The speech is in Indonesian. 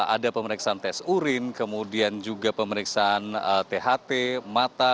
ada pemeriksaan tes urin kemudian juga pemeriksaan tht mata